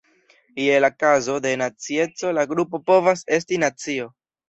Je la kazo de nacieco la grupo povas esti nacio.